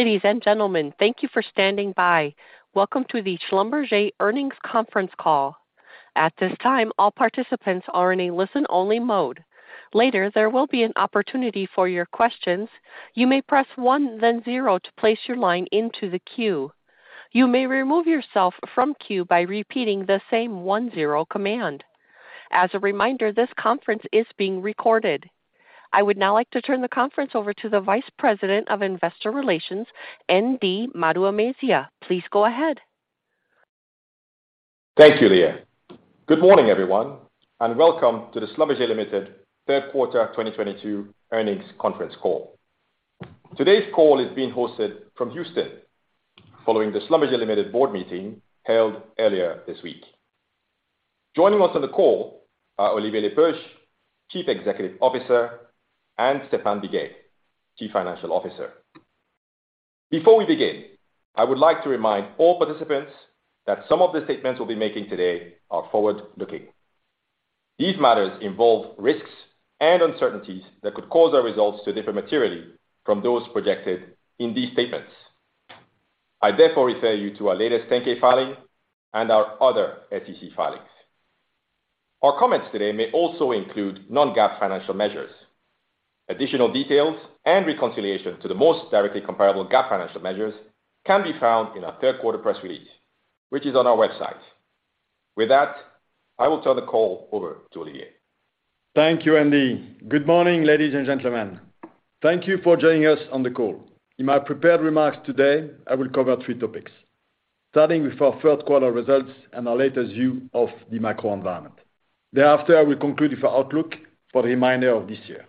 Ladies and gentlemen, thank you for standing by. Welcome to the Schlumberger Earnings Conference Call. At this time, all participants are in a listen-only mode. Later, there will be an opportunity for your questions. You may press one then zero to place your line into the queue. You may remove yourself from queue by repeating the same one-zero command. As a reminder, this conference is being recorded. I would now like to turn the conference over to the Vice President of Investor Relations, ND Maduemezia. Please go ahead. Thank you, Leah. Good morning, everyone, and welcome to the Schlumberger Limited third quarter 2022 earnings conference call. Today's call is being hosted from Houston following the Schlumberger Limited board meeting held earlier this week. Joining us on the call are Olivier Le Peuch, Chief Executive Officer, and Stephane Biguet, Chief Financial Officer. Before we begin, I would like to remind all participants that some of the statements we'll be making today are forward-looking. These matters involve risks and uncertainties that could cause our results to differ materially from those projected in these statements. I therefore refer you to our latest 10-K filing and our other SEC filings. Our comments today may also include non-GAAP financial measures. Additional details and reconciliation to the most directly comparable GAAP financial measures can be found in our third quarter press release, which is on our website. With that, I will turn the call over to Olivier. Thank you, ND. Good morning, ladies and gentlemen. Thank you for joining us on the call. In my prepared remarks today, I will cover three topics, starting with our third quarter results and our latest view of the macro environment. Thereafter, I will conclude with our outlook for the remainder of this year.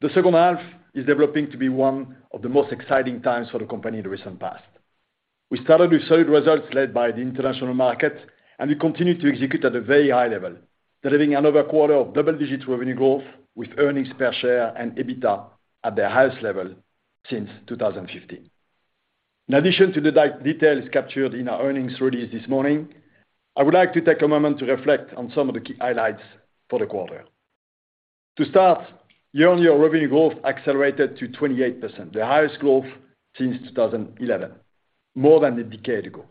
The second half is developing to be one of the most exciting times for the company in the recent past. We started with solid results led by the international market, and we continue to execute at a very high level, delivering another quarter of double-digit revenue growth with earnings per share and EBITDA at their highest level since 2015. In addition to the details captured in our earnings release this morning, I would like to take a moment to reflect on some of the key highlights for the quarter. To start, year-over-year revenue growth accelerated to 28%, the highest growth since 2011, more than a decade ago.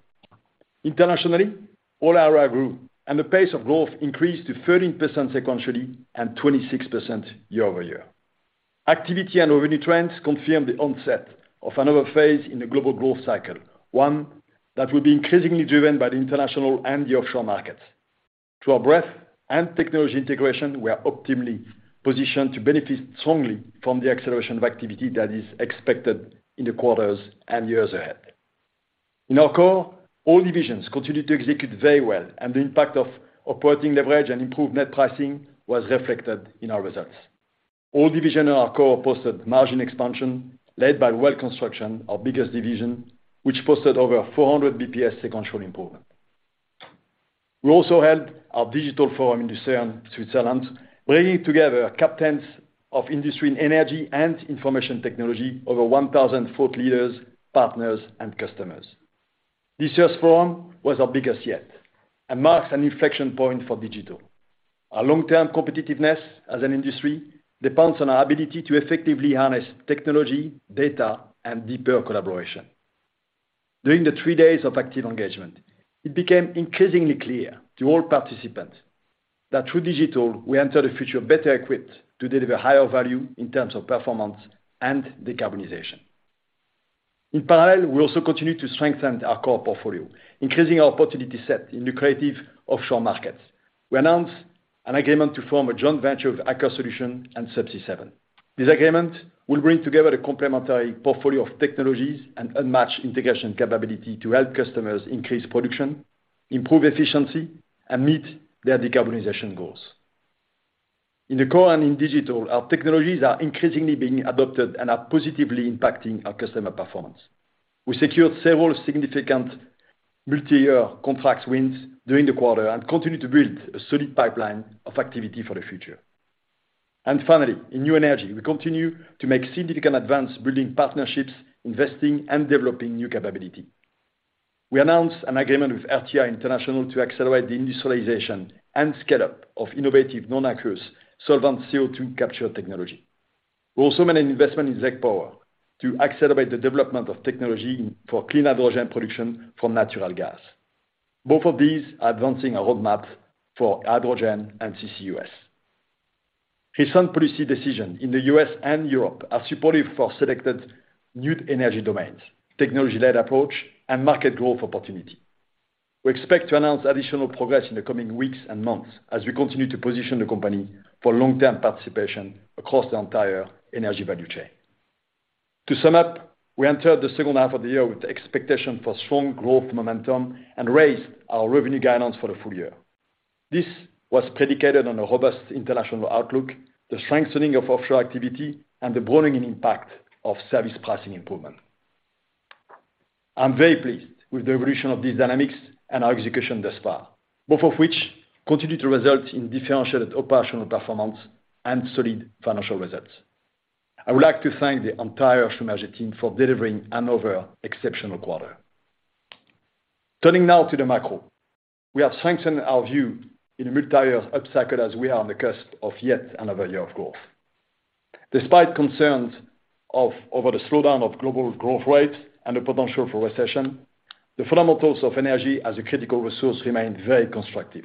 Internationally, all areas grew and the pace of growth increased to 13% sequentially and 26% year-over-year. Activity and revenue trends confirm the onset of another phase in the global growth cycle, one that will be increasingly driven by the international and the offshore markets. Through our breadth and technology integration, we are optimally positioned to benefit strongly from the acceleration of activity that is expected in the quarters and years ahead. In our core, all divisions continue to execute very well and the impact of operating leverage and improved net pricing was reflected in our results. All divisions in our core posted margin expansion led by Well Construction, our biggest division, which posted over 400 basis points sequential improvement. We also held our digital forum in Lucerne, Switzerland, bringing together captains of industry and energy and information technology, over 1,000 thought leaders, partners, and customers. This year's forum was our biggest yet and marks an inflection point for digital. Our long-term competitiveness as an industry depends on our ability to effectively harness technology, data and deeper collaboration. During the three days of active engagement, it became increasingly clear to all participants that through digital we enter the future better equipped to deliver higher value in terms of performance and decarbonization. In parallel, we also continue to strengthen our core portfolio, increasing our opportunity set in the creative offshore markets. We announced an agreement to form a joint venture of Aker Solutions and Subsea 7. This agreement will bring together a complementary portfolio of technologies and unmatched integration capability to help customers increase production, improve efficiency, and meet their decarbonization goals. In the core and in digital, our technologies are increasingly being adopted and are positively impacting our customer performance. We secured several significant multiyear contract wins during the quarter and continue to build a solid pipeline of activity for the future. Finally, in new energy, we continue to make significant advances building partnerships, investing and developing new capability. We announced an agreement with RTI International to accelerate the industrialization and scale up of innovative non-aqueous solvent CO2 capture technology. We also made an investment in ZEG Power to accelerate the development of technology for clean hydrogen production from natural gas. Both of these are advancing our roadmap for hydrogen and CCUS. Recent policy decisions in the U.S. and Europe are supportive for selected new energy domains, technology-led approach, and market growth opportunity. We expect to announce additional progress in the coming weeks and months as we continue to position the company for long-term participation across the entire energy value chain. To sum up, we entered the second half of the year with expectation for strong growth momentum and raised our revenue guidance for the full-year. This was predicated on a robust international outlook, the strengthening of offshore activity, and the broadening impact of service pricing improvement. I'm very pleased with the evolution of these dynamics and our execution thus far, both of which continue to result in differentiated operational performance and solid financial results. I would like to thank the entire Schlumberger team for delivering another exceptional quarter. Turning now to the macro. We have strengthened our view in a multi-year upcycle as we are on the cusp of yet another year of growth. Despite concerns over the slowdown of global growth rates and the potential for recession, the fundamentals of energy as a critical resource remain very constructive.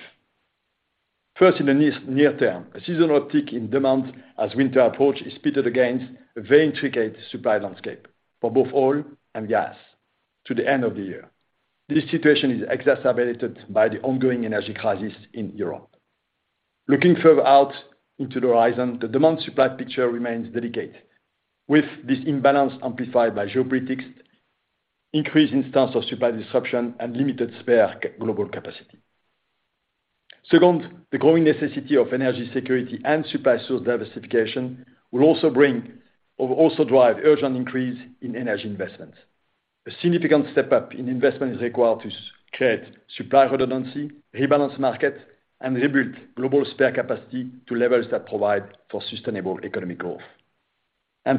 First, in the near term, a seasonal uptick in demand as winter approaches pitted against a very intricate supply landscape for both oil and gas to the end of the year. This situation is exacerbated by the ongoing energy crisis in Europe. Looking further out into the horizon, the demand supply picture remains delicate, with this imbalance amplified by geopolitics, increased instance of supply disruption, and limited spare global capacity. Second, the growing necessity of energy security and supply source diversification will also bring or also drive urgent increase in energy investments. A significant step up in investment is required to create supply redundancy, rebalance market, and rebuild global spare capacity to levels that provide for sustainable economic growth.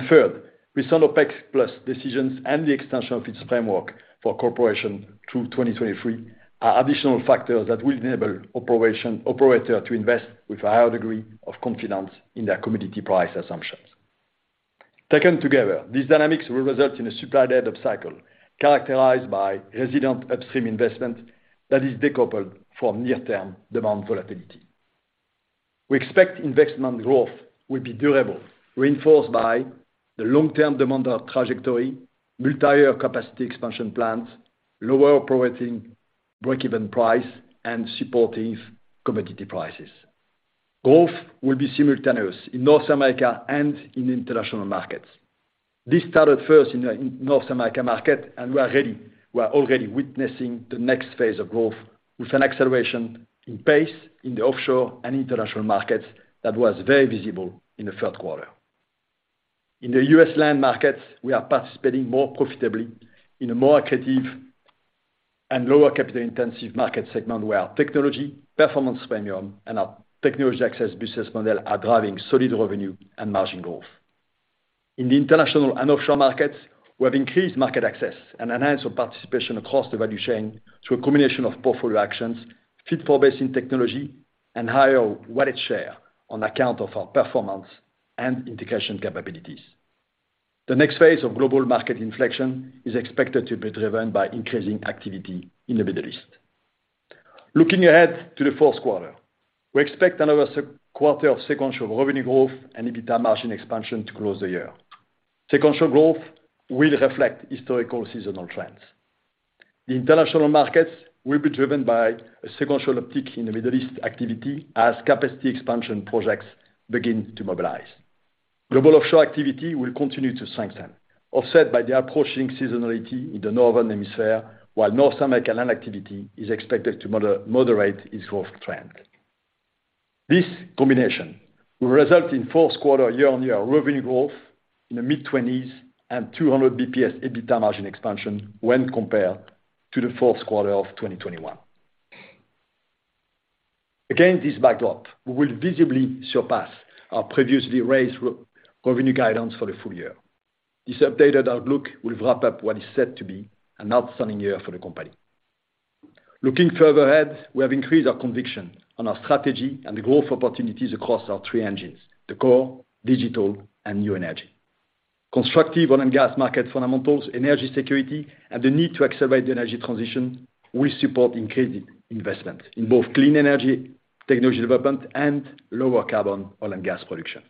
Third, recent OPEC+ decisions and the extension of its framework for cooperation through 2023 are additional factors that will enable operator to invest with a higher degree of confidence in their commodity price assumptions. Taken together, these dynamics will result in a supply-led upcycle characterized by resilient upstream investment that is decoupled from near-term demand volatility. We expect investment growth will be durable, reinforced by the long-term demand trajectory, multi-year capacity expansion plans, lower operating break-even price, and supportive commodity prices. Growth will be simultaneous in North America and in international markets. This started first in the North America market, and we are already witnessing the next phase of growth with an acceleration in pace in the offshore and international markets that was very visible in the third quarter. In the U.S. land markets, we are participating more profitably in a more creative and lower capital-intensive market segment where our technology performance premium and our technology access business model are driving solid revenue and margin growth. In the international and offshore markets, we have increased market access and enhanced our participation across the value chain through a combination of portfolio actions, fit-for-basin technology, and higher wallet share on account of our performance and integration capabilities. The next phase of global market inflection is expected to be driven by increasing activity in the Middle East. Looking ahead to the fourth quarter, we expect another quarter of sequential revenue growth and EBITA margin expansion to close the year. Sequential growth will reflect historical seasonal trends. The international markets will be driven by a sequential uptick in the Middle East activity as capacity expansion projects begin to mobilize. Global offshore activity will continue to strengthen, offset by the approaching seasonality in the Northern Hemisphere, while North American land activity is expected to moderate its growth trend. This combination will result in fourth quarter year-on-year revenue growth in the mid-20s% and 200 basis points EBITDA margin expansion when compared to the fourth quarter of 2021. Against this backdrop, we will visibly surpass our previously raised revenue guidance for the full-year. This updated outlook will wrap up what is set to be an outstanding year for the company. Looking further ahead, we have increased our conviction on our strategy and the growth opportunities across our three engines, the core, digital, and new energy. Constructive oil and gas market fundamentals, energy security, and the need to accelerate the energy transition will support increased investment in both clean energy, technology development, and lower carbon oil and gas production.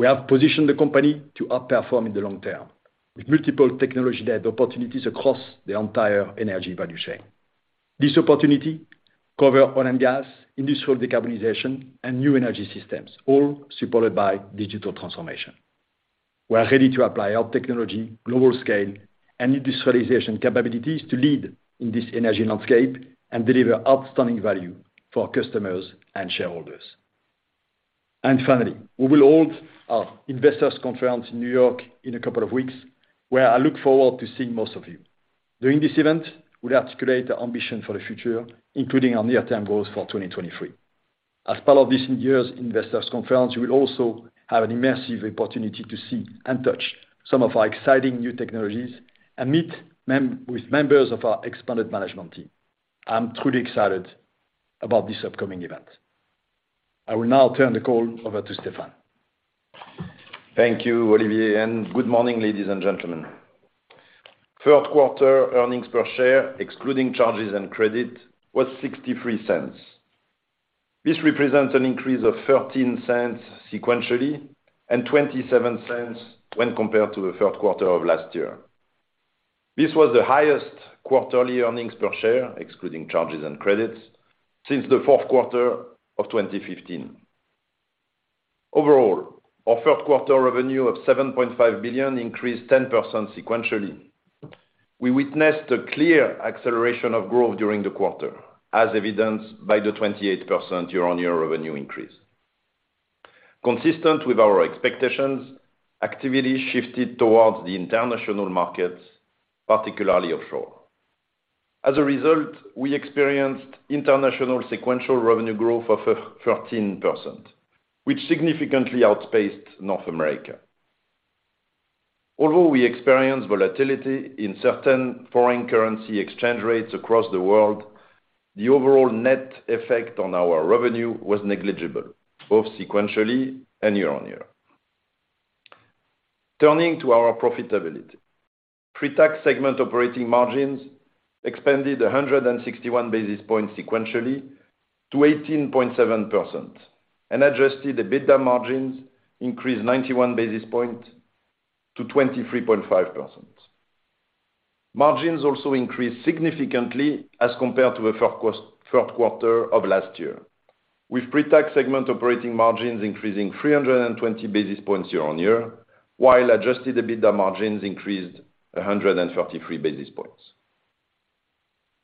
We have positioned the company to outperform in the long term with multiple technology-led opportunities across the entire energy value chain. This opportunity cover oil and gas, industrial decarbonization, and new energy systems, all supported by digital transformation. We are ready to apply our technology, global scale, and industrialization capabilities to lead in this energy landscape and deliver outstanding value for our customers and shareholders. Finally, we will hold our investors conference in New York in a couple of weeks, where I look forward to seeing most of you. During this event, we'll articulate our ambition for the future, including our near-term goals for 2023. As part of this year's investors conference, you will also have an immersive opportunity to see and touch some of our exciting new technologies and meet with members of our expanded management team. I'm truly excited about this upcoming event. I will now turn the call over to Stephane. Thank you, Olivier, and good morning, ladies and gentlemen. Third quarter earnings per share, excluding charges and credits, was $0.63. This represents an increase of $0.13 sequentially and $0.27 when compared to the third quarter of last year. This was the highest quarterly earnings per share, excluding charges and credits, since the fourth quarter of 2015. Overall, our third quarter revenue of $7.5 billion increased 10% sequentially. We witnessed a clear acceleration of growth during the quarter, as evidenced by the 28% year-on-year revenue increase. Consistent with our expectations, activity shifted towards the international markets, particularly offshore. As a result, we experienced international sequential revenue growth of 13%, which significantly outpaced North America. Although we experienced volatility in certain foreign currency exchange rates across the world, the overall net effect on our revenue was negligible, both sequentially and year-on-year. Turning to our profitability. Pre-tax segment operating margins expanded 161 basis points sequentially to 18.7% and adjusted EBITDA margins increased 91 basis points to 23.5%. Margins also increased significantly as compared to the third quarter of last year, with pre-tax segment operating margins increasing 320 basis points year-on-year, while adjusted EBITDA margins increased 133 basis points.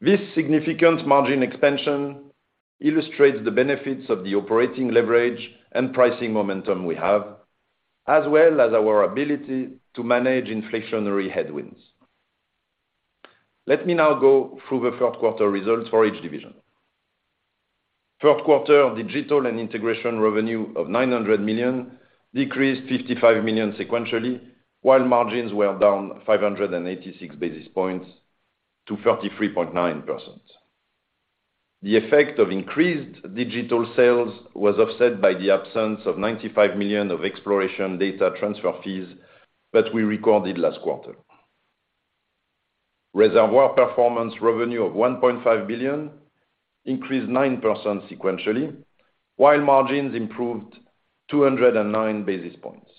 This significant margin expansion illustrates the benefits of the operating leverage and pricing momentum we have, as well as our ability to manage inflationary headwinds. Let me now go through the third quarter results for each division. Third quarter Digital and Integration revenue of $900 million decreased $55 million sequentially, while margins were down 586 basis points to 33.9%. The effect of increased digital sales was offset by the absence of $95 million of exploration data transfer fees that we recorded last quarter. Reservoir Performance revenue of $1.5 billion increased 9% sequentially, while margins improved 209 basis points.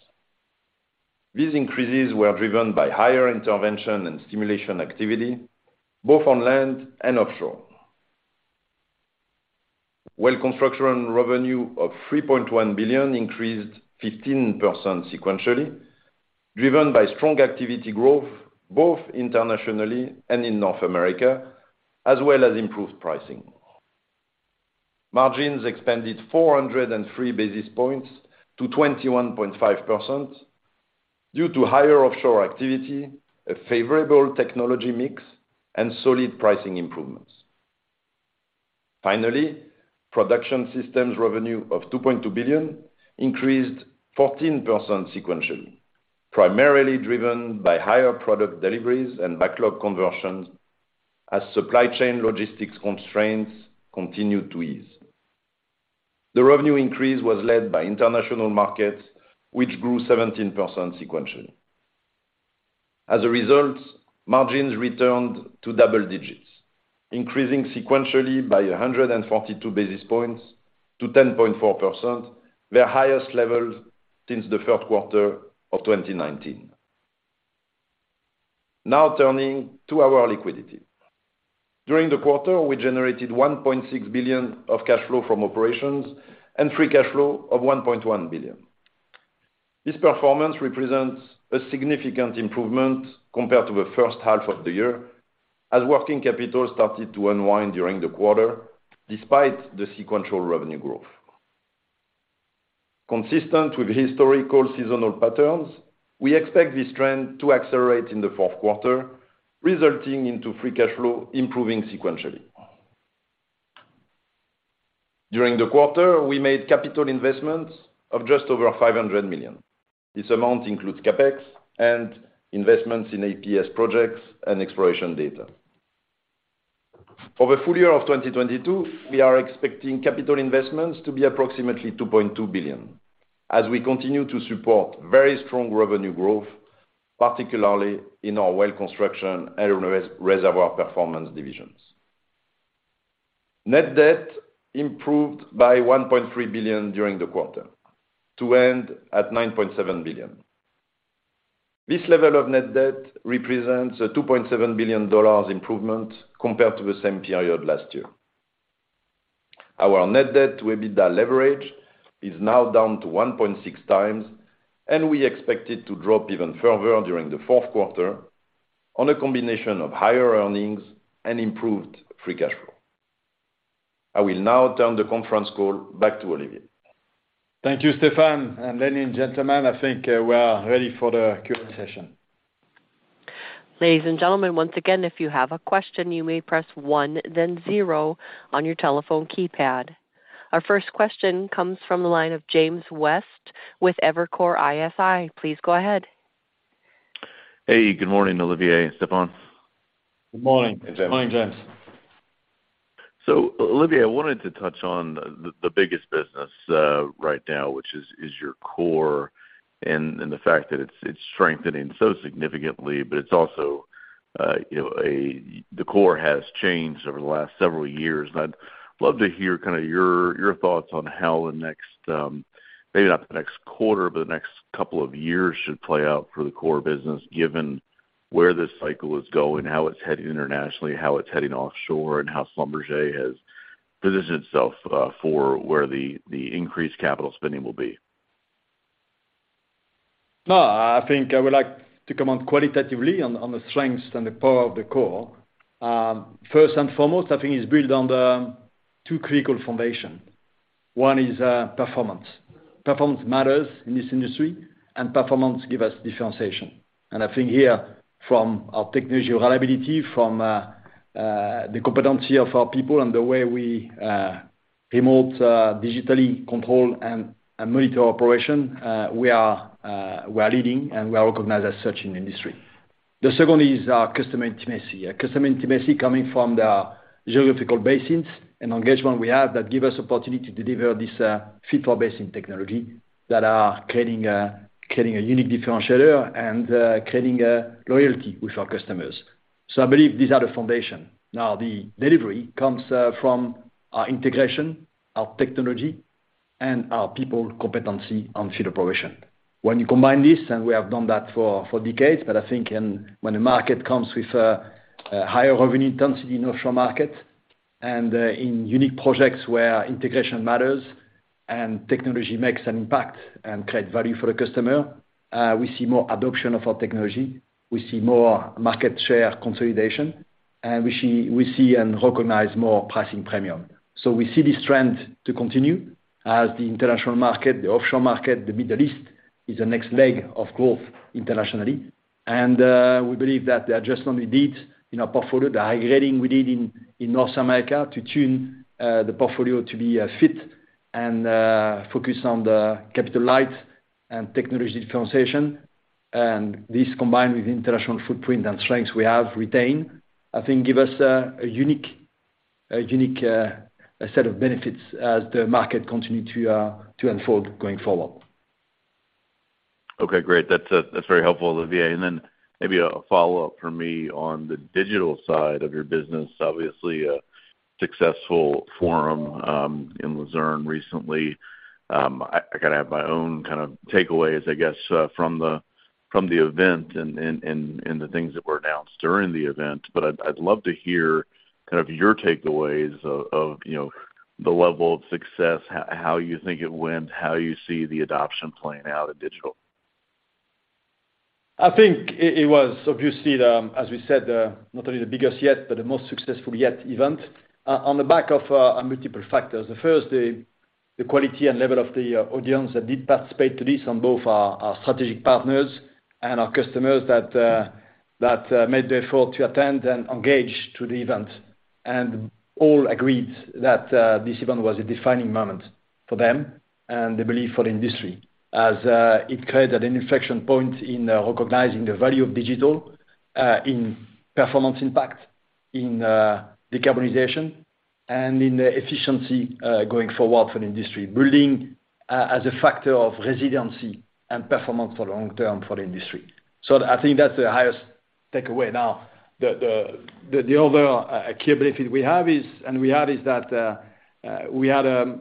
These increases were driven by higher intervention and stimulation activity, both on land and offshore. Well Construction revenue of $3.1 billion increased 15% sequentially, driven by strong activity growth both internationally and in North America, as well as improved pricing. Margins expanded 403 basis points to 21.5% due to higher offshore activity, a favorable technology mix, and solid pricing improvements. Finally, Production Systems revenue of $2.2 billion increased 14% sequentially, primarily driven by higher product deliveries and backlog conversions as supply chain logistics constraints continued to ease. The revenue increase was led by international markets, which grew 17% sequentially. As a result, margins returned to double digits, increasing sequentially by 142 basis points to 10.4%, their highest levels since the third quarter of 2019. Now turning to our liquidity. During the quarter, we generated $1.6 billion of cash flow from operations and free cash flow of $1.1 billion. This performance represents a significant improvement compared to the first half of the year, as working capital started to unwind during the quarter despite the sequential revenue growth. Consistent with historical seasonal patterns, we expect this trend to accelerate in the fourth quarter, resulting into free cash flow improving sequentially. During the quarter, we made capital investments of just over $500 million. This amount includes CapEx and investments in APS projects and exploration data. For the full-year of 2022, we are expecting capital investments to be approximately $2.2 billion as we continue to support very strong revenue growth, particularly in our Well Construction and Reservoir Performance divisions. Net debt improved by $1.3 billion during the quarter to end at $9.7 billion. This level of net debt represents a $2.7 billion improvement compared to the same period last year. Our net debt to EBITDA leverage is now down to 1.6 times, and we expect it to drop even further during the fourth quarter on a combination of higher earnings and improved free cash flow. I will now turn the conference call back to Olivier. Thank you, Stephane. Ladies and gentlemen, I think, we are ready for the Q&A session. Ladies and gentlemen, once again, if you have a question, you may press one then zero on your telephone keypad. Our first question comes from the line of James West with Evercore ISI. Please go ahead. Hey, good morning, Olivier and Stephane. Good morning. Hey, James. Good morning, James. Olivier, I wanted to touch on the biggest business right now, which is your core and the fact that it's strengthening so significantly, but it's also, you know, the core has changed over the last several years. I'd love to hear kind of your thoughts on how the next, maybe not the next quarter, but the next couple of years should play out for the core business, given where this cycle is going, how it's heading internationally, how it's heading offshore, and how Schlumberger has positioned itself for where the increased capital spending will be? No, I think I would like to comment qualitatively on the strengths and the power of the core. First and foremost, I think it's built on the two critical foundation. One is performance. Performance matters in this industry, and performance give us differentiation. I think here from our technology reliability, from the competency of our people and the way we remotely digitally controlled and monitor operation, we are leading and we are recognized as such in industry. The second is our customer intimacy. Customer intimacy coming from the geographical basins and engagement we have that give us opportunity to deliver this fit for basin technology that are creating a unique differentiator and creating a loyalty with our customers. I believe these are the foundation. Now, the delivery comes from our integration, our technology, and our people competency on field operation. When you combine this, and we have done that for decades, but I think when the market comes with a higher revenue intensity in offshore market and in unique projects where integration matters and technology makes an impact and create value for the customer, we see more adoption of our technology. We see more market share consolidation, and we see and recognize more pricing premium. We see this trend to continue as the international market, the offshore market, the Middle East is the next leg of growth internationally. We believe that the adjustment we did in our portfolio, the high grading we did in North America to tune the portfolio to be fit and focus on the capital light and technology differentiation. This combined with international footprint and strengths we have retained, I think give us a unique set of benefits as the market continue to unfold going forward. Okay, great. That's very helpful, Olivier. Then maybe a follow-up from me on the digital side of your business. Obviously a successful forum in Lucerne recently. I gotta have my own kind of takeaways, I guess, from the event and the things that were announced during the event. I'd love to hear kind of your takeaways of, you know, the level of success, how you think it went, how you see the adoption playing out in digital. I think it was obviously the, as we said, not only the biggest yet, but the most successful yet event on the back of multiple factors. The first, the quality and level of the audience that did participate to this on both our strategic partners and our customers that made the effort to attend and engage to the event. All agreed that this event was a defining moment for them and they believe for the industry as it created an inflection point in recognizing the value of digital in performance impact, in decarbonization and in the efficiency going forward for the industry. Building as a factor of resiliency and performance for long term for the industry. I think that's the highest takeaway. Now, the other key belief we have is that we had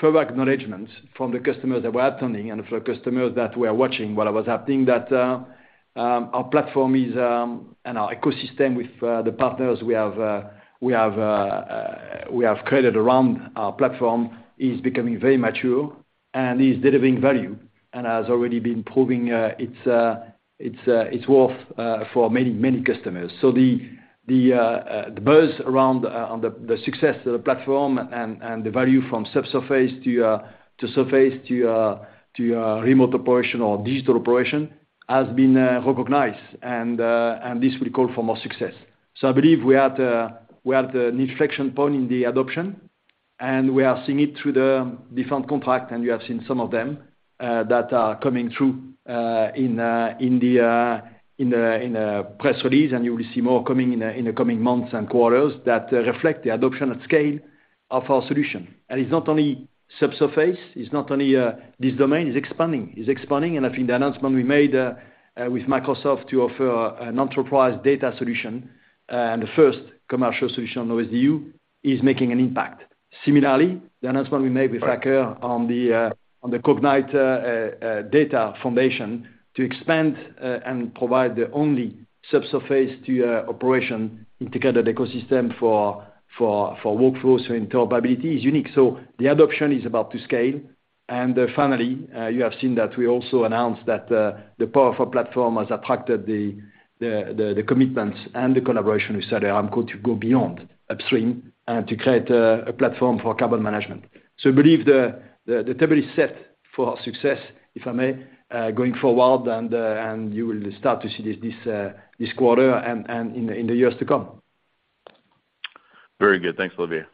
full acknowledgement from the customers that were attending and for customers that were watching what was happening that our platform is and our ecosystem with the partners we have created around our platform is becoming very mature and is delivering value and has already been proving its worth for many customers. The buzz around on the success of the platform and the value from subsurface to surface to remote operation or digital operation has been recognized. This will call for more success. I believe we are at the inflection point in the adoption, and we are seeing it through the different contract, and you have seen some of them that are coming through in the press release. You will see more coming in the coming months and quarters that reflect the adoption at scale of our solution. It's not only subsurface, it's not only this domain, it's expanding. I think the announcement we made with Microsoft to offer an enterprise data solution and the first commercial solution with ExxonMobil is making an impact. Similarly, the announcement we made with Wacker on the Cognite data foundation to expand and provide the only subsurface to operations integrated ecosystem for workflows and interoperability is unique. The adoption is about to scale. Finally, you have seen that we also announced that the powerful platform has attracted the commitments and the collaboration with Accenture to go beyond upstream and to create a platform for carbon management. I believe the table is set for success, if I may, going forward, and you will start to see this quarter and in the years to come. Very good. Thanks, Olivier.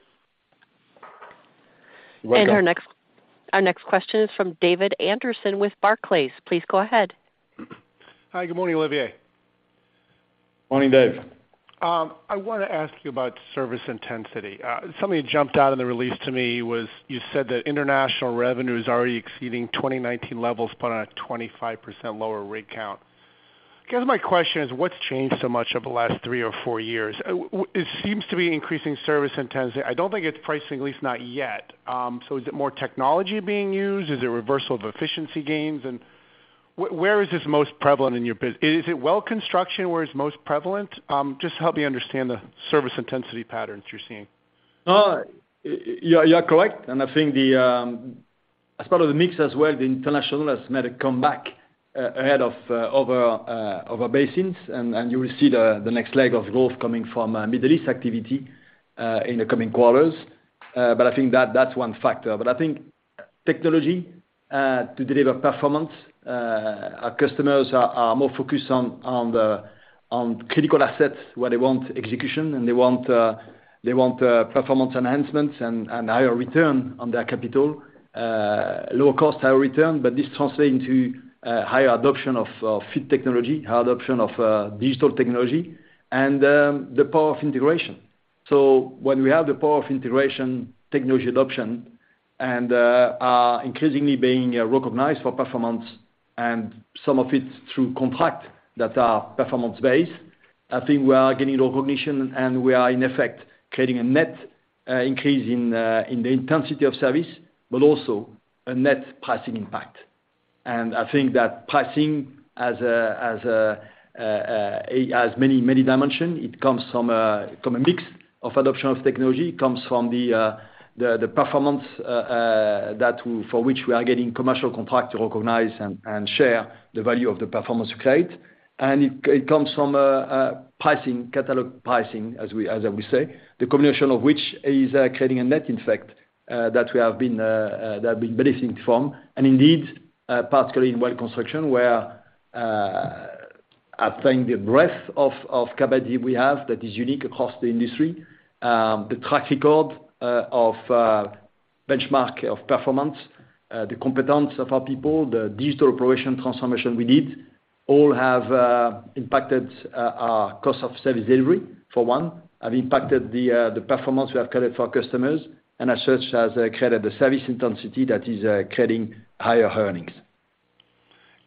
You're welcome. Our next question is from David Anderson with Barclays. Please go ahead. Hi. Good morning, Olivier. Morning, Dave. I wanna ask you about service intensity. Something that jumped out in the release to me was you said that international revenue is already exceeding 2019 levels but on a 25% lower rig count. I guess my question is, what's changed so much over the last three or four years? It seems to be increasing service intensity. I don't think it's pricing, at least not yet. So is it more technology being used? Is it reversal of efficiency gains? And where is this most prevalent in your business? Is it Well Construction where it's most prevalent? Just help me understand the service intensity patterns you're seeing. You are correct. I think that as part of the mix as well, the international has made a comeback ahead of other basins. You will see the next leg of growth coming from Middle East activity in the coming quarters. I think that that's one factor. I think technology to deliver performance. Our customers are more focused on the critical assets where they want execution and they want performance enhancements and higher return on their capital. Lower cost, higher return, but this translate into higher adoption of fit technology, high adoption of digital technology and the power of integration. When we have the power of integration, technology adoption, and are increasingly being recognized for performance and some of it through contracts that are performance-based, I think we are getting recognition and we are in effect creating a net increase in the intensity of service, but also a net pricing impact. I think that pricing as a as many dimensions, it comes from a mix of adoption of technology, it comes from the performance for which we are getting commercial contracts to recognize and share the value of the performance we create. It comes from pricing, catalog pricing, as we say, the combination of which is creating a net effect that we have been benefiting from. Indeed, particularly in Well Construction where I think the breadth of capacity we have that is unique across the industry, the track record of benchmark performance, the competence of our people, the digital operational transformation we did, all have impacted our cost of service delivery for one, have impacted the performance we have created for our customers. As such, created a service intensity that is creating higher earnings.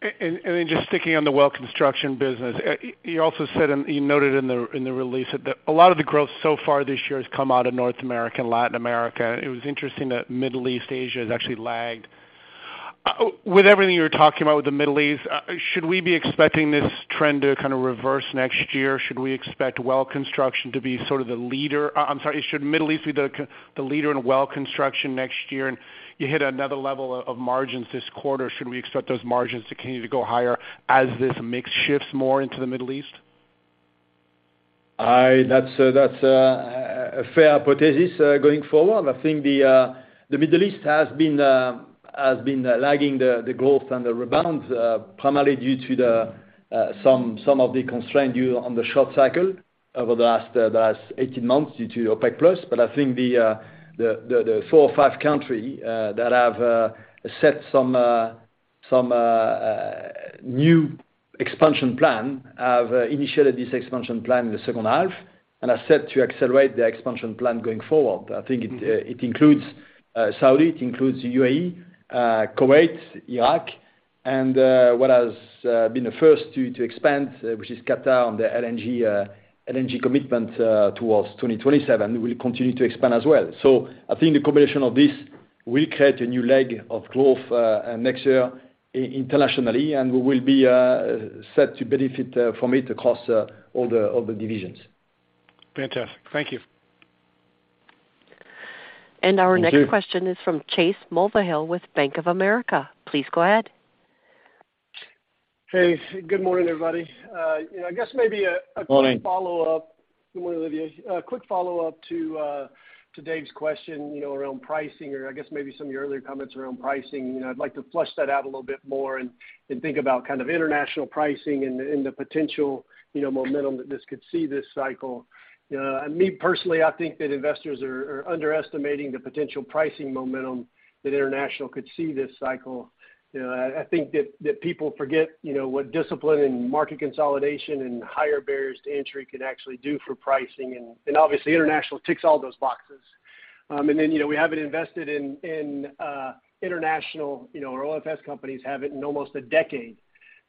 Then just sticking on the Well Construction business. You also said—you noted in the release that a lot of the growth so far this year has come out of North America and Latin America. It was interesting that Middle East, Asia has actually lagged. With everything you were talking about with the Middle East, should we be expecting this trend to kind of reverse next year? I'm sorry. Should Middle East be the leader in Well Construction next year? You hit another level of margins this quarter. Should we expect those margins to continue to go higher as this mix shifts more into the Middle East? That's a fair hypothesis going forward. I think the Middle East has been lagging the growth and the rebound primarily due to some of the constraint due on the short cycle over the last 18 months due to OPEC+. I think the four or five countries that have set some new expansion plan have initiated this expansion plan in the second half and are set to accelerate the expansion plan going forward. I think it includes Saudi, UAE, Kuwait, Iraq, and what has been the first to expand, which is Qatar on the LNG commitment towards 2027 will continue to expand as well. I think the combination of this will create a new leg of growth next year internationally, and we will be set to benefit from it across all the divisions. Fantastic. Thank you. And our next- Thank you. The question is from Chase Mulvehill with Bank of America. Please go ahead. Hey, good morning, everybody. You know, I guess maybe. Morning. A quick follow-up. Good morning, Olivier. A quick follow-up to Dave's question, you know, around pricing or I guess maybe some of your earlier comments around pricing. You know, I'd like to flesh that out a little bit more and think about kind of international pricing and the potential, you know, momentum that this could see this cycle. Me, personally, I think that investors are underestimating the potential pricing momentum that international could see this cycle. You know, I think that people forget, you know, what discipline and market consolidation and higher barriers to entry can actually do for pricing and obviously international ticks all those boxes. And then, you know, we haven't invested in international, and OFS companies haven't had it in almost a decade.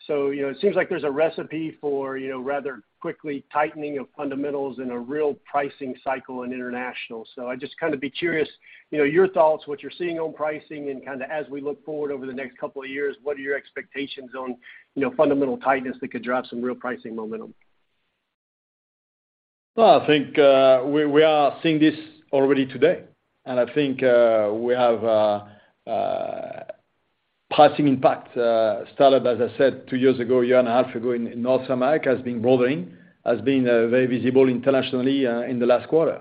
You know, it seems like there's a recipe for, you know, rather quickly tightening of fundamentals and a real pricing cycle in international. I'd just kind of be curious, you know, your thoughts, what you're seeing on pricing and kinda as we look forward over the next couple of years, what are your expectations on, you know, fundamental tightness that could drive some real pricing momentum? Well, I think we are seeing this already today, and I think we have pricing impact started, as I said, two years ago, a year and a half ago in North America, has been growing, has been very visible internationally in the last quarter.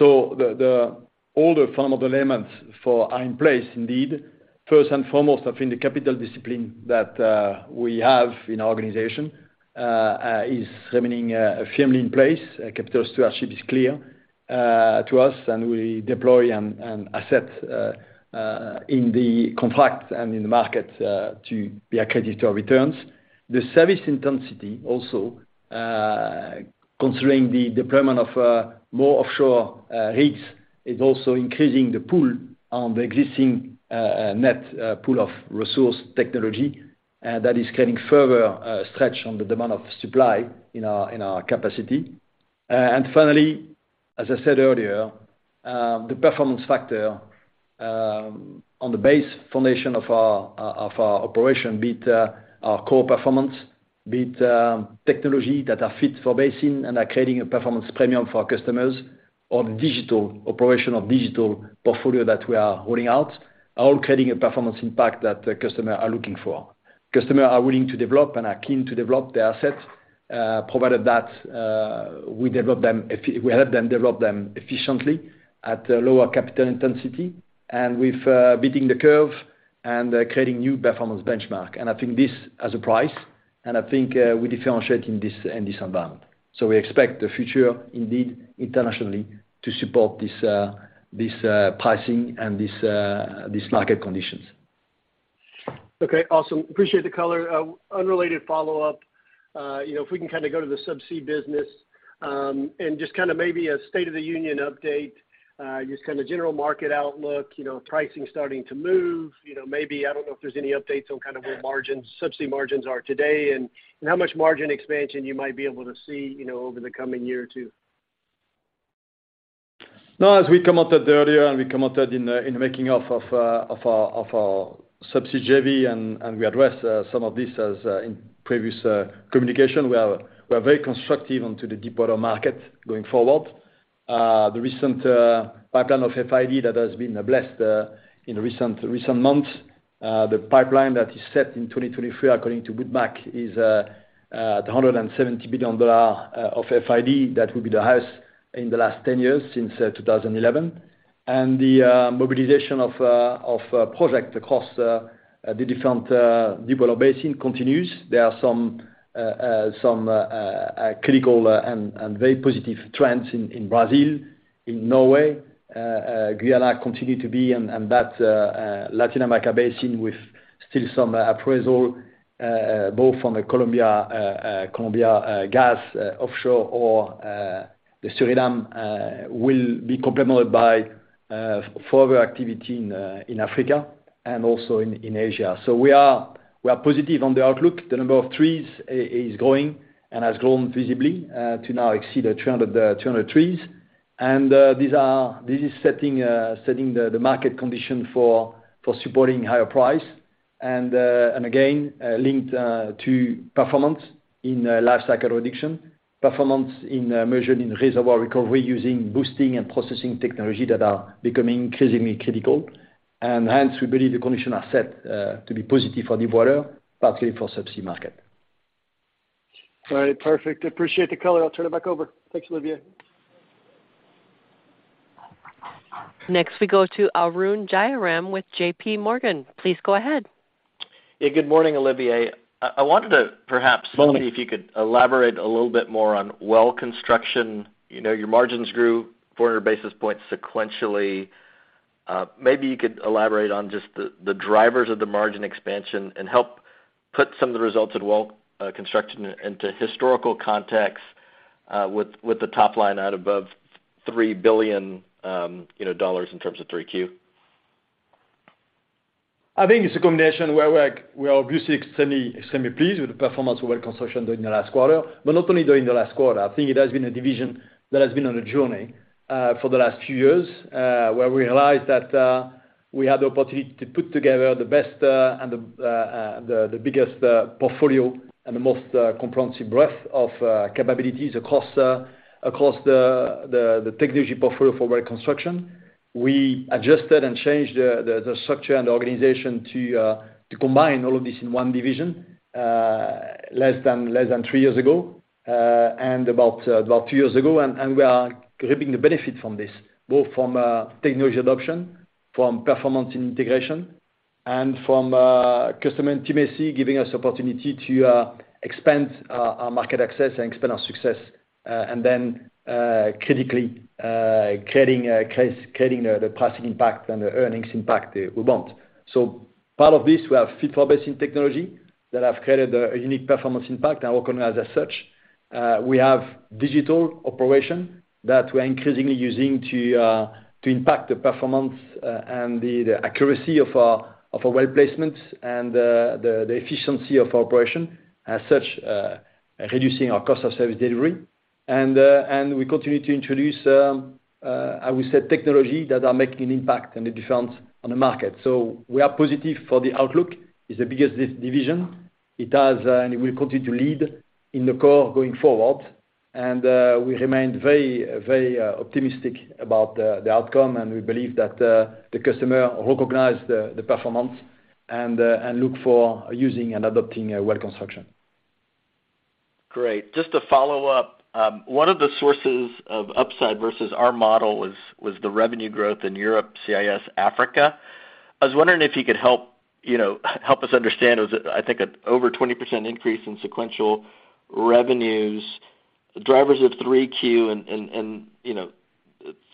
All the fundamental elements for are in place indeed. First and foremost, I think the capital discipline that we have in our organization is remaining firmly in place. Capital stewardship is clear to us, and we deploy and asset in the contract and in the market to be accretive to our returns. The service intensity also, considering the deployment of more offshore rigs, is also increasing the pull on the existing pool of resource technology that is getting further stretched on the demand of supply in our capacity. Finally, as I said earlier, the performance factor on the base foundation of our operation, be it our core performance, be it technology that are fit for basin and are creating a performance premium for our customers or digital operation or digital portfolio that we are rolling out, are all creating a performance impact that the customer are looking for. Customers are willing to develop and are keen to develop the assets, provided that we help them develop them efficiently at lower capital intensity and with beating the curve and creating new performance benchmark. I think this has a price, and I think we differentiate in this environment. We expect the future, indeed, internationally to support this pricing and this market conditions. Okay, awesome. Appreciate the color. Unrelated follow-up, you know, if we can kind of go to the subsea business, and just kind of maybe a state of the union update, just kind of general market outlook, you know, pricing starting to move, you know, maybe I don't know if there's any updates on kind of where margins, subsea margins are today and how much margin expansion you might be able to see, you know, over the coming year or two. No, as we commented earlier, and we commented in the making of our subsea JV, and we addressed some of this in previous communication. We are very constructive on to the deepwater market going forward. The recent pipeline of FID that has been blessed in recent months. The pipeline that is set in 2023 according to Wood Mackenzie is at $170 billion of FID. That will be the highest in the last 10 years since 2011. The mobilization of projects across the different deepwater basins continues. There are some critical and very positive trends in Brazil, in Norway. Guyana continues to be and that Latin America basin with still some appraisal both from the Colombia gas offshore or the Suriname will be complemented by further activity in Africa and also in Asia. We are positive on the outlook. The number of FIDs is growing and has grown visibly to now exceed 200 FIDs. These are setting the market condition for supporting higher price. And again linked to performance in lifecycle reduction, performance measured in reservoir recovery using boosting and processing technology that are becoming increasingly critical. Hence, we believe the conditions are set to be positive for deepwater, partly for subsea market. All right. Perfect. Appreciate the color. I'll turn it back over. Thanks, Olivier. Next, we go to Arun Jayaram with JPMorgan. Please go ahead. Yeah, good morning, Olivier. I wanted to perhaps see if you could elaborate a little bit more on Well Construction. You know, your margins grew 400 basis points sequentially. Maybe you could elaborate on just the drivers of the margin expansion and help put some of the results of Well Construction into historical context, with the top line out above $3 billion, you know, dollars in terms of 3Q. I think it's a combination where we are obviously extremely pleased with the performance of Well Construction during the last quarter. Not only during the last quarter, I think it has been a division that has been on a journey for the last few years, where we realized that we had the opportunity to put together the best and the biggest portfolio and the most comprehensive breadth of capabilities across the technology portfolio for Well Construction. We adjusted and changed the structure and the organization to combine all of this in one division less than three years ago and about two years ago. We are reaping the benefit from this, both from technology adoption, from performance integration, and from customer intimacy giving us opportunity to expand our market access and expand our success, and then critically creating the pricing impact and the earnings impact we want. Part of this, we have fit for basin technology that have created a unique performance impact and recognized as such. We have digital operation that we're increasingly using to impact the performance and the accuracy of our well placements and the efficiency of our operation, as such, reducing our cost of service delivery. We continue to introduce, I would say technology that are making an impact on the different on the market. We are positive for the outlook. It's the biggest division. It has and it will continue to lead in the core going forward. We remain very optimistic about the outcome, and we believe that the customer recognize the performance and look for using and adopting Well Construction. Great. Just to follow up, one of the sources of upside versus our model was the revenue growth in Europe, CIS, Africa. I was wondering if you could help, you know, help us understand. It was, I think, an over 20% increase in sequential revenues, drivers of 3Q and, you know,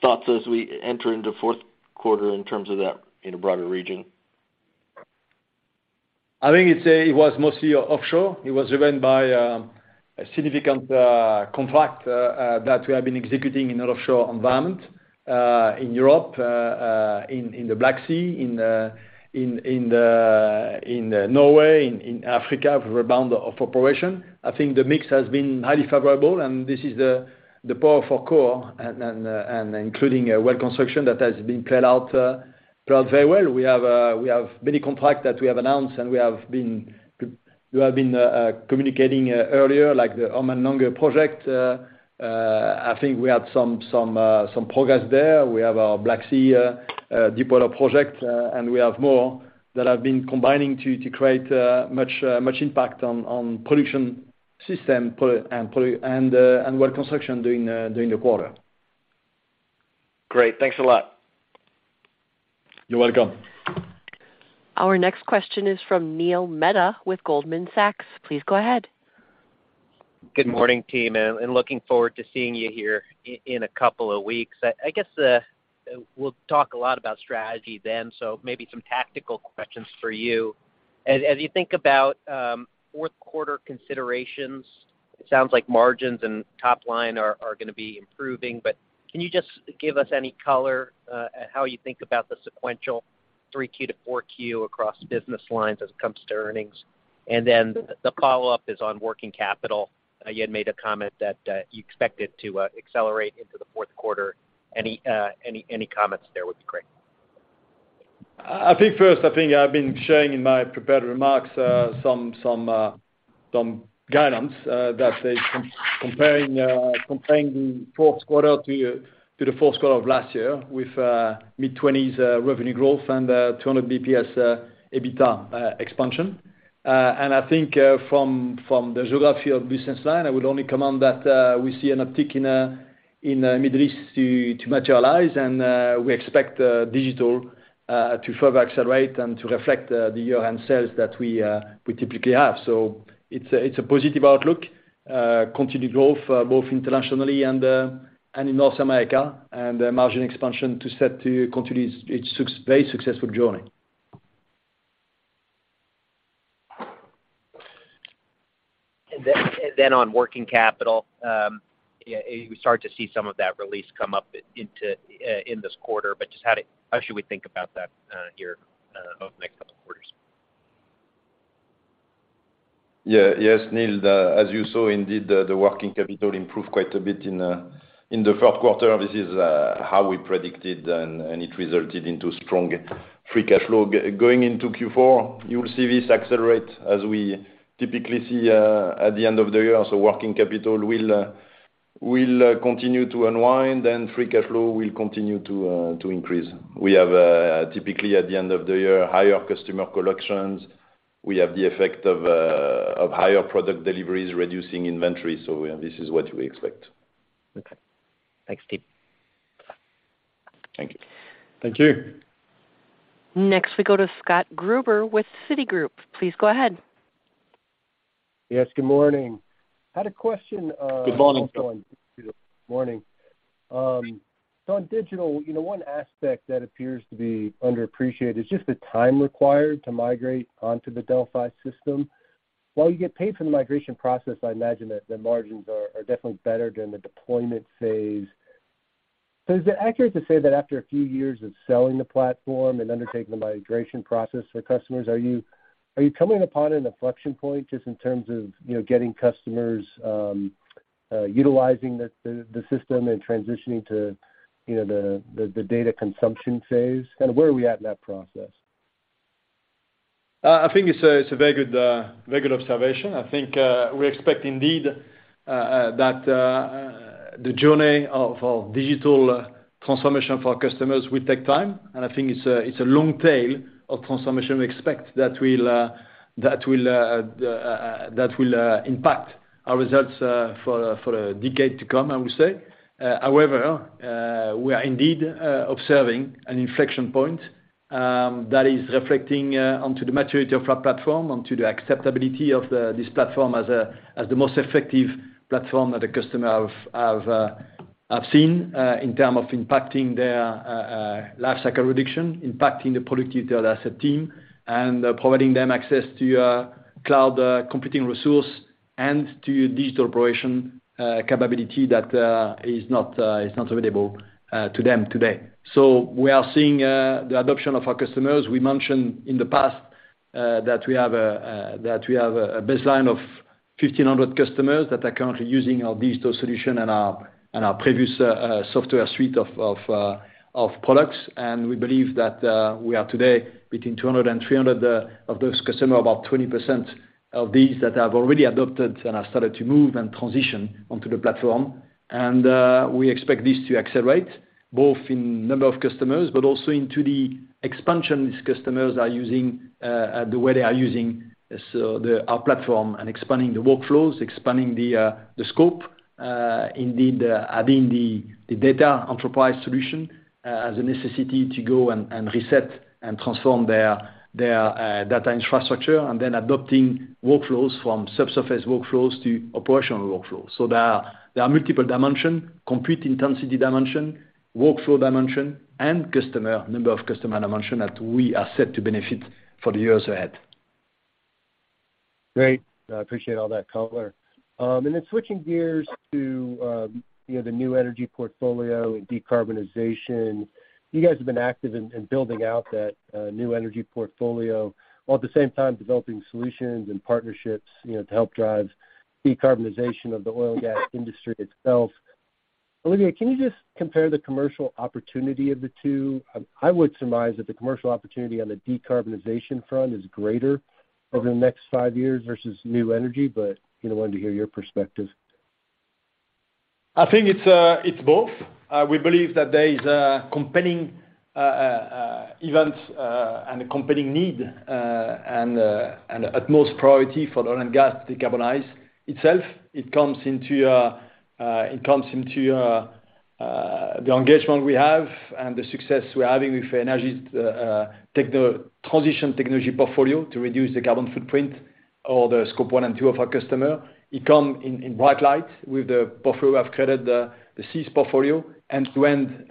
thoughts as we enter into fourth quarter in terms of that in a broader region. I think it was mostly offshore. It was driven by a significant contract that we have been executing in an offshore environment in Europe, in the Black Sea, in Norway, in Africa with a rebound in operations. I think the mix has been highly favorable and this is the power of our core and including Well Construction that has been played out very well. We have many contracts that we have announced, and we have been communicating earlier, like the Oman Nama project. I think we have some progress there. We have our Black Sea deepwater project, and we have more that have been combining to create much impact on Production Systems and Well Construction during the quarter. Great. Thanks a lot. You're welcome. Our next question is from Neil Mehta with Goldman Sachs. Please go ahead. Good morning, team, looking forward to seeing you here in a couple of weeks. I guess we'll talk a lot about strategy then, so maybe some tactical questions for you. As you think about fourth quarter considerations, it sounds like margins and top line are gonna be improving, but can you just give us any color on how you think about the sequential 3Q-4Q across business lines as it comes to earnings? Then the follow-up is on working capital. You had made a comment that you expect it to accelerate into the fourth quarter. Any comments there would be great. I think first, I think I've been sharing in my prepared remarks some guidance that is comparing fourth quarter to the fourth quarter of last year with mid-20s% revenue growth and 200 basis points EBITA expansion. I think from the geography of business line, I would only comment that we see an uptick in Middle East to materialize, and we expect Digital to further accelerate and to reflect the year-end sales that we typically have. It's a positive outlook. Continued growth both internationally and in North America, and a margin expansion set to continue its very successful journey. On working capital, you start to see some of that release come up in this quarter, but just how should we think about that here over the next couple of quarters? Yeah. Yes, Neil. As you saw, indeed, the working capital improved quite a bit in the fourth quarter. This is how we predicted and it resulted into strong free cash flow. Going into Q4, you will see this accelerate as we typically see at the end of the year. Working capital will continue to unwind and free cash flow will continue to increase. We have typically at the end of the year, higher customer collections. We have the effect of higher product deliveries, reducing inventory. You know, this is what we expect. Okay. Thanks, team. Thank you. Next we go to Scott Gruber with Citigroup. Please go ahead. Yes, good morning. Had a question. Good morning, Scott. Morning. On digital, you know, one aspect that appears to be underappreciated is just the time required to migrate onto the Delfi system. While you get paid for the migration process, I imagine that the margins are definitely better during the deployment phase. Is it accurate to say that after a few years of selling the platform and undertaking the migration process for customers, are you coming upon an inflection point just in terms of, you know, getting customers utilizing the system and transitioning to, you know, the data consumption phase? Kinda where are we at in that process? I think it's a very good observation. I think we expect indeed that the journey of digital transformation for our customers will take time. I think it's a long tail of transformation we expect that will impact our results for a decade to come, I would say. However, we are indeed observing an inflection point that is reflecting onto the maturity of our platform, onto the acceptability of this platform as the most effective platform that the customer have seen in terms of impacting their lifecycle reduction, impacting the productivity of their asset team, and providing them access to cloud computing resource and to digital operation capability that is not available to them today. We are seeing the adoption of our customers. We mentioned in the past that we have a baseline of 1,500 customers that are currently using our digital solution and our previous software suite of products. We believe that we are today between 200 and 300 of those customers, about 20% of these that have already adopted and have started to move and transition onto the platform. We expect this to accelerate both in number of customers, but also into the expansion these customers are using the way they are using our platform and expanding the workflows, expanding the scope, indeed adding the data enterprise solution as a necessity to go and reset and transform their data infrastructure, and then adopting workflows from subsurface workflows to operational workflows. There are multiple dimension, complete intensity dimension, workflow dimension, and customer, number of customer dimension that we are set to benefit for the years ahead. Great. I appreciate all that color. Switching gears to, you know, the new energy portfolio and decarbonization. You guys have been active in building out that new energy portfolio, while at the same time developing solutions and partnerships, you know, to help drive decarbonization of the oil and gas industry itself. Olivier, can you just compare the commercial opportunity of the two? I would surmise that the commercial opportunity on the decarbonization front is greater over the next five years versus new energy, but, you know, wanted to hear your perspective. I think it's both. We believe that there is a compelling events and the company's need and utmost priority for oil and gas to decarbonize itself. It comes into the engagement we have and the success we're having with energy transition technology portfolio to reduce the carbon footprint or the Scope 1 and 2 of our customer. It comes in bright light with the portfolio we have created, the CCS portfolio and end-to-end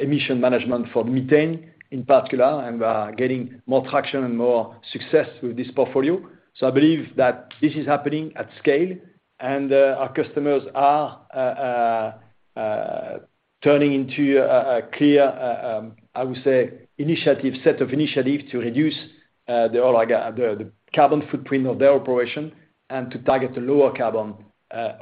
emission management for methane in particular. We are getting more traction and more success with this portfolio. I believe that this is happening at scale, and our customers are turning to a clear, I would say, set of initiatives to reduce the carbon footprint of their operation and to target the lower carbon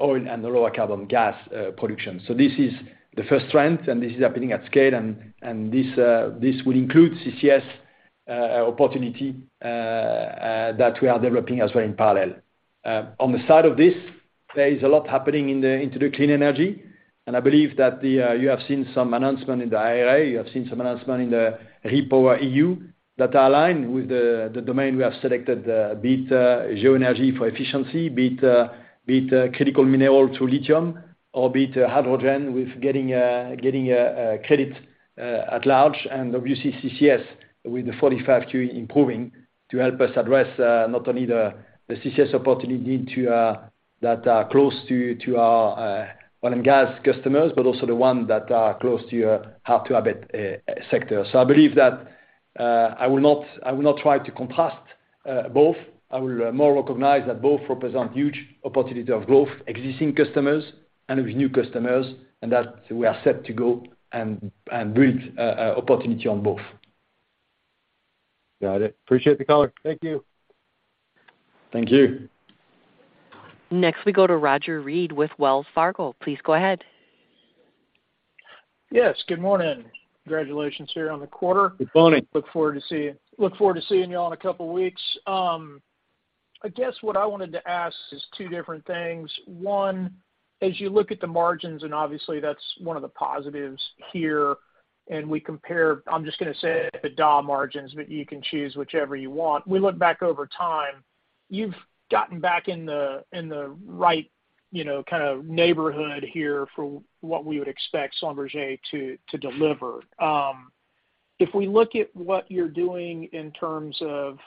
oil and the lower carbon gas production. This is the first trend, and this is happening at scale. This will include CCS opportunity that we are developing as well in parallel. On the side of this, there is a lot happening into the clean energy, and I believe that you have seen some announcement in the IRA. You have seen some announcement in the REPowerEU that are aligned with the domain we have selected, be it geoenergy for efficiency, be it critical mineral to lithium or be it hydrogen with getting credit at large and obviously CCS with the 45Q improving to help us address not only the CCS opportunity need to that are close to our oil and gas customers, but also the one that are close to your hard-to-abate sector. I believe that I will not try to contrast both. I will more recognize that both represent huge opportunity of growth, existing customers and with new customers, and that we are set to go and build opportunity on both. Got it. Appreciate the color. Thank you. Thank you. Next, we go to Roger Read with Wells Fargo. Please go ahead. Yes, good morning. Congratulations here on the quarter. Good morning. Look forward to seeing you all in a couple weeks. I guess what I wanted to ask is two different things. One, as you look at the margins, and obviously that's one of the positives here, and we compare, I'm just gonna say the D&A margins, but you can choose whichever you want. We look back over time, you've gotten back in the right, you know, kind of neighborhood here for what we would expect Schlumberger to deliver. If we look at what you're doing in terms of,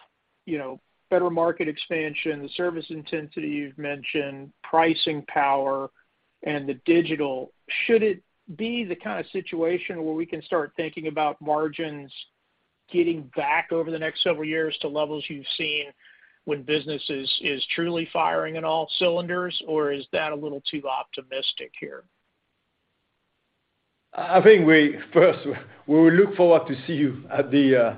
you know, better market expansion, the service intensity you've mentioned, pricing power and the digital. Should it be the kind of situation where we can start thinking about margins getting back over the next several years to levels you've seen when business is truly firing on all cylinders, or is that a little too optimistic here? I think we first will look forward to see you at the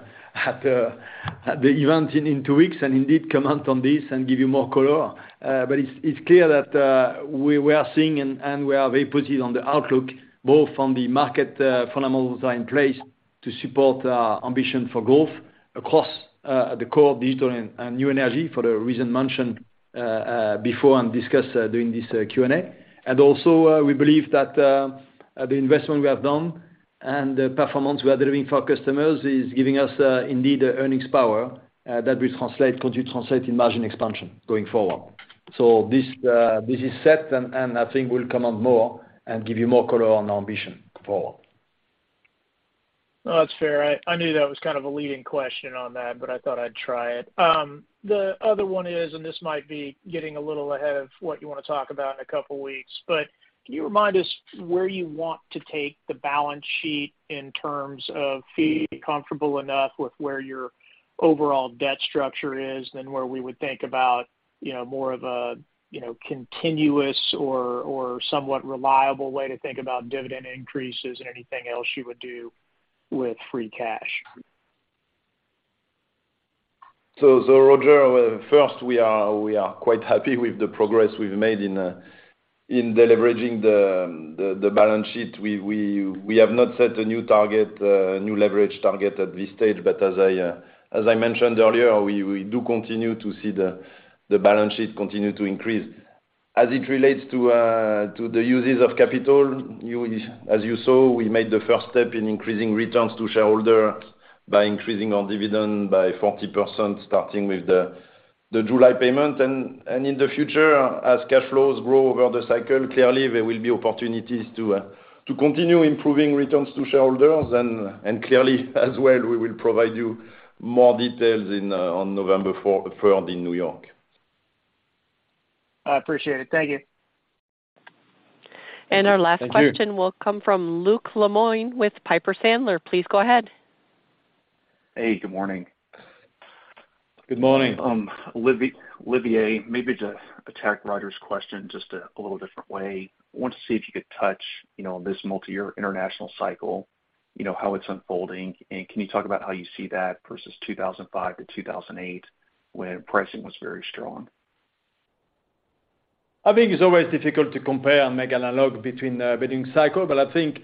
event in two weeks and indeed comment on this and give you more color. But it's clear that we are seeing and we are very positive on the outlook, both from the market fundamentals are in place to support our ambition for growth across the core digital and new energy for the reason mentioned before and discussed during this Q&A. Also, we believe that the investment we have done and the performance we are delivering for our customers is giving us indeed earnings power that will continue to translate in margin expansion going forward. This is set and I think we'll comment more and give you more color on our ambition going forward. No, that's fair. I knew that was kind of a leading question on that, but I thought I'd try it. The other one is, this might be getting a little ahead of what you wanna talk about in a couple weeks. Can you remind us where you want to take the balance sheet in terms of free, comfortable enough with where your overall debt structure is, then where we would think about, you know, more of a, you know, continuous or somewhat reliable way to think about dividend increases and anything else you would do with free cash? Roger, first we are quite happy with the progress we've made in deleveraging the balance sheet. We have not set a new target, a new leverage target at this stage. As I mentioned earlier, we do continue to see the balance sheet continue to increase. As it relates to the uses of capital, as you saw, we made the first step in increasing returns to shareholder by increasing our dividend by 40%, starting with the July payment. In the future, as cash flows grow over the cycle, clearly there will be opportunities to continue improving returns to shareholders. Clearly as well, we will provide you more details on November third in New York. I appreciate it. Thank you. Our last question. Thank you. Will come from Luke Lemoine with Piper Sandler. Please go ahead. Hey, good morning. Good morning. Olivier, maybe to attack Roger's question just a little different way. I wanted to see if you could touch, you know, on this multi-year international cycle, you know, how it's unfolding. Can you talk about how you see that versus 2005-2008 when pricing was very strong? I think it's always difficult to compare and make analogy between the bidding cycle. I think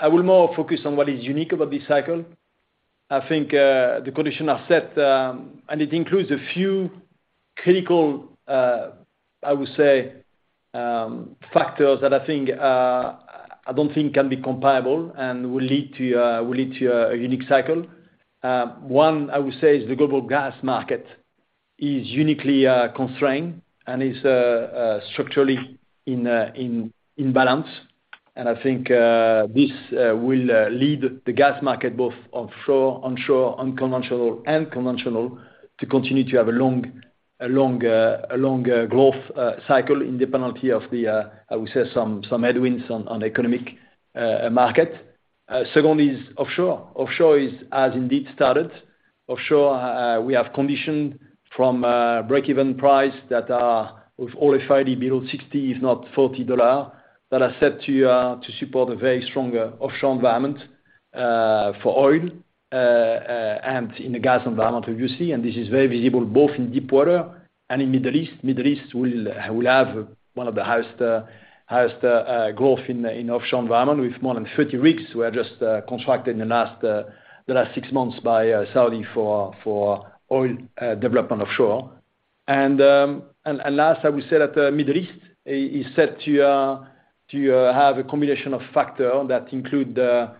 I will focus more on what is unique about this cycle. I think the conditions are set, and it includes a few critical, I would say, factors that I think I don't think can be comparable and will lead to a unique cycle. One I would say is the global gas market is uniquely constrained and is structurally imbalanced. I think this will lead the gas market both offshore, onshore, unconventional and conventional to continue to have a long growth cycle independently of the, I would say some headwinds on economic market. Second is offshore. Offshore has indeed started. Offshore, we have contingent on breakeven prices that are with oil prices below $60, if not $40. They're set to support a very strong offshore environment for oil and in the gas environment, obviously, and this is very visible both in deep water and in Middle East. Middle East will have one of the highest growth in offshore environment with more than 30 rigs that are just contracted in the last six months by Saudi for oil development offshore. Last, I would say that Middle East is set to have a combination of factors that include the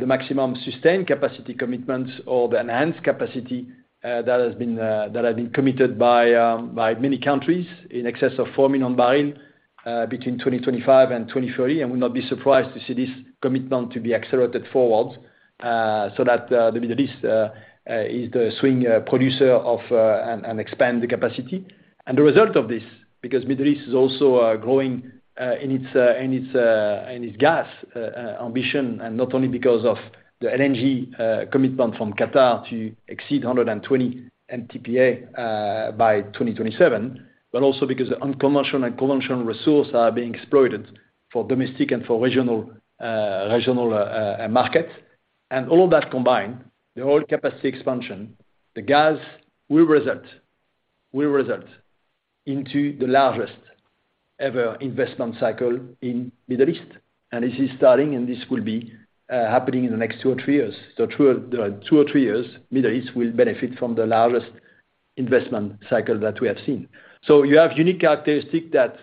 maximum sustained capacity commitments or the enhanced capacity that have been committed by many countries in excess of 4 million barrels between 2025 and 2030. I would not be surprised to see this commitment to be accelerated forward so that the Middle East is the swing producer and expand the capacity. The result of this, because Middle East is also growing in its gas ambition, and not only because of the LNG commitment from Qatar to exceed 120 MTPA by 2027, but also because unconventional and conventional resource are being exploited for domestic and for regional market. All that combined, the oil capacity expansion, the gas will result into the largest ever investment cycle in Middle East. This is starting, and this will be happening in the next two or three years. Two or three years, Middle East will benefit from the largest investment cycle that we have seen. You have unique characteristic that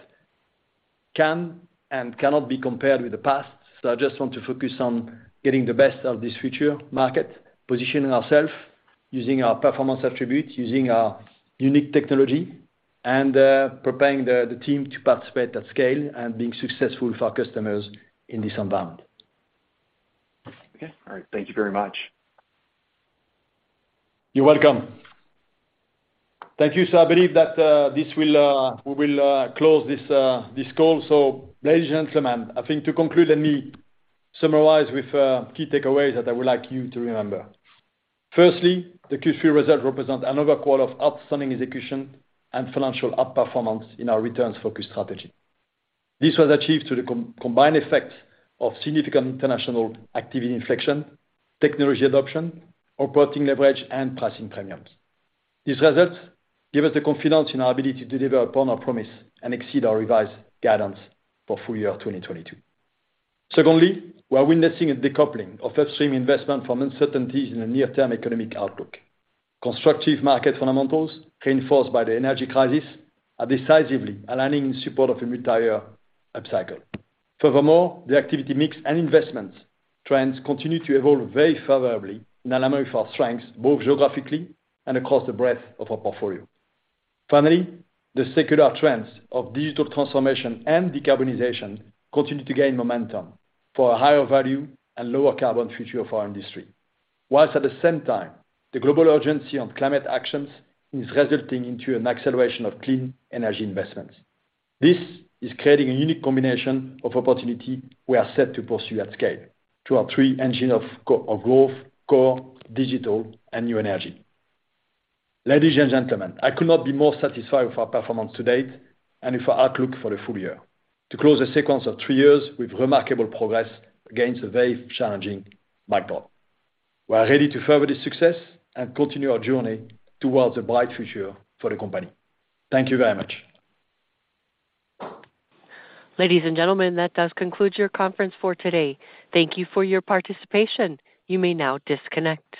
can and cannot be compared with the past. I just want to focus on getting the best of this future market, positioning ourselves, using our performance attributes, using our unique technology and preparing the team to participate at scale and being successful for our customers in this environment. Okay. All right. Thank you very much. You're welcome. Thank you. I believe that we will close this call. Ladies and gentlemen, I think to conclude, let me summarize with key takeaways that I would like you to remember. Firstly, the Q3 result represent another quarter of outstanding execution and financial outperformance in our returns-focused strategy. This was achieved through the combined effects of significant international activity inflection, technology adoption, operating leverage and pricing premiums. These results give us the confidence in our ability to deliver upon our promise and exceed our revised guidance for full-year 2022. Secondly, we are witnessing a decoupling of upstream investment from uncertainties in the near-term economic outlook. Constructive market fundamentals, reinforced by the energy crisis, are decisively aligning in support of a multi-year upcycle. Furthermore, the activity mix and investment trends continue to evolve very favorably in alignment with our strengths, both geographically and across the breadth of our portfolio. Finally, the secular trends of digital transformation and decarbonization continue to gain momentum for a higher value and lower carbon future of our industry. While at the same time, the global urgency on climate actions is resulting into an acceleration of clean energy investments. This is creating a unique combination of opportunity we are set to pursue at scale through our three engines of growth, core, digital and new energy. Ladies and gentlemen, I could not be more satisfied with our performance to date and with our outlook for the full-year to close a sequence of three years with remarkable progress against a very challenging backdrop. We are ready to further this success and continue our journey towards a bright future for the company. Thank you very much. Ladies and gentlemen, that does conclude your conference for today. Thank you for your participation. You may now disconnect.